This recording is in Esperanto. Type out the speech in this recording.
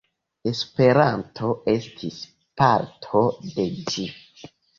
Esperanto estis parto de ĝi.